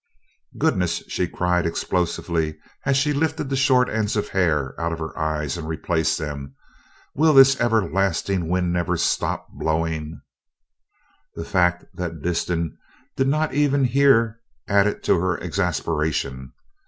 "Goodness!" she cried explosively, as she lifted the short ends of hair out of her eyes and replaced them. "Will this everlasting wind never stop blowing!" The fact that Disston did not even hear added to her exasperation.